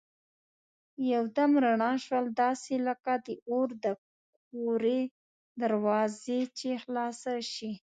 یو دم رڼا شول داسې لکه د اور د کورې دروازه چي خلاصه شي.